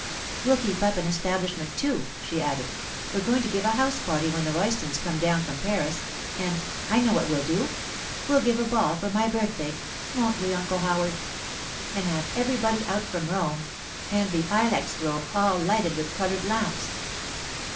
'We'll keep up an establishment too,' she added. 'We're going to give a house party when the Roystons come down from Paris, and—I know what we'll do! We'll give a ball for my birthday—won't we, Uncle Howard? And have everybody out from Rome, and the ilex grove all lighted with coloured lamps!